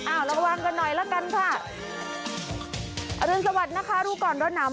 ระวังกันหน่อยละกันค่ะอรุณสวัสดิ์นะคะรู้ก่อนร้อนหนาว